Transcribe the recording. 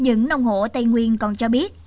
những nông hộ tây nguyên còn cho biết